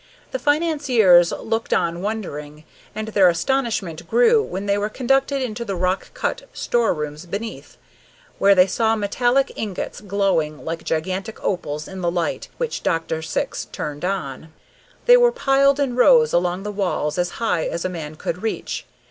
The financiers looked on wondering, and their astonishment grew when they were conducted into the rock cut store rooms beneath, where they saw metallic ingots glowing like gigantic opals in the light which Dr. Syx turned on. They were piled in rows along the walls as high as a man could reach.